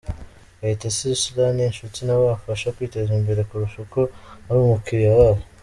Kayitesi Salha ni inshuti nabo afasha kwiteza imbere kurusha uko ari umukiriya wabo.